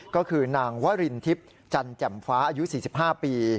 ก็คือนางวรินทิพย์จันแจ่มฟ้าอายุ๔๕ปี